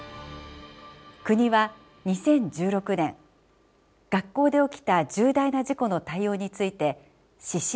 国は２０１６年学校で起きた重大な事故の対応について指針を出しました。